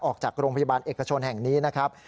ออกจากโรงพยาบาลเอกชนแห่งนี้นะครับ